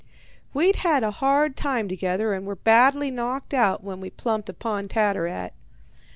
"We'd had a hard time together and were badly knocked out when we plumped upon Tattarat.